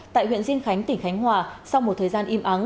tại huyện diên khánh tỉnh khánh hòa sau một thời gian im ắng